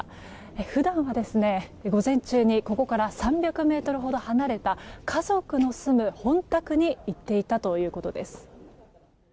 普段は、午前中にここから３００ｍほど離れた家族の住む本宅に行っていたということです。